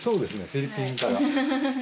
フィリピンから。